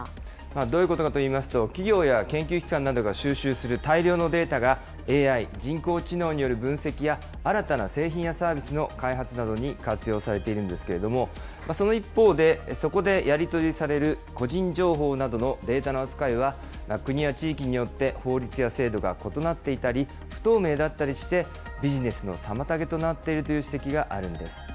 どういうことかといいますと、企業や研究機関などが収集する大量のデータがＡＩ・人工知能による分析や、新たな製品やサービスの開発などに活用されているんですけれども、その一方で、そこでやり取りされる個人情報などのデータの扱いは、国や地域によって法律や制度が異なっていたり、不透明だったりして、ビジネスの妨げとなっているという指摘があるんです。